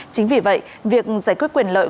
chính vì vậy việc giải quyết quyền lợi